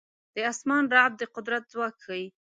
د اسمان رعد د قدرت ځواک ښيي.